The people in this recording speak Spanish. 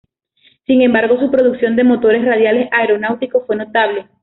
Sin embargo, su producción de motores radiales aeronáuticos fue notable.